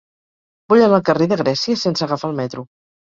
Vull anar al carrer de Grècia sense agafar el metro.